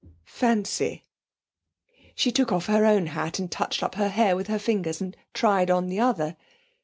'Fancy.' She took off her own hat, and touched up her hair with her fingers, and tried on the other.